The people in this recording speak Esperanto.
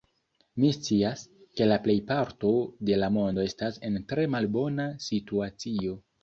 Mi scias, ke la plejparto de la mondo estas en tre malbona situacio.